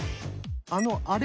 あのあれ。